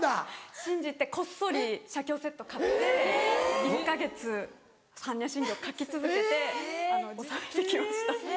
信じてこっそり写経セット買って１か月般若心経書き続けて納めて来ました。